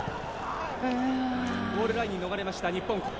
ゴールラインに逃れました。